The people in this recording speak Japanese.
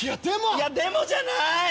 「いやでも」じゃない！